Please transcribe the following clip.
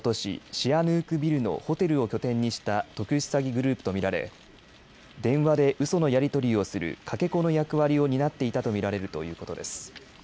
シアヌークビルのホテルを拠点にした特殊詐欺グループと見られ電話でうそのやり取りをするかけ子の役割を担っていたと見られるということです。